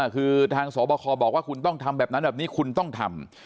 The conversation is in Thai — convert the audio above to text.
คือทางสบคบอกว่าคุณต้องทำแบบนั้นแบบนี้คุณต้องทำ